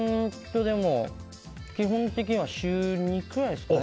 基本的には週２くらいですかね。